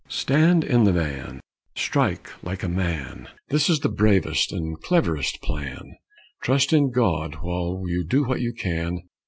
Stand in the van, Strike like a man! This is the bravest and cleverest plan; Trusting in God while you do what you can.